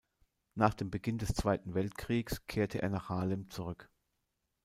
Nach dem Beginn des Zweiten Weltkriegs kehrte er nach Haarlem zurück.